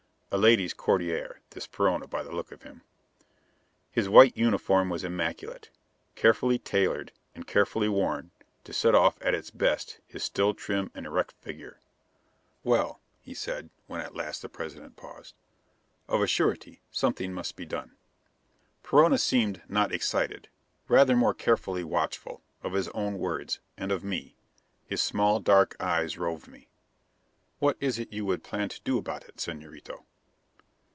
A ladies' courtier, this Perona by the look of him. His white uniform was immaculate, carefully tailored and carefully worn to set off at its best his still trim and erect figure. "Well," he said, when at last the President paused, "of a surety something must be done." Perona seemed not excited, rather more carefully watchful, of his own words, and of me. His small dark eyes roved me. "What is it you would plan to do about it, Señorito?"